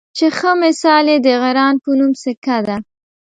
چې ښۀ مثال یې د غران پۀ نوم سیکه ده